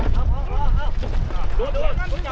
เร็วเร็วเร็ว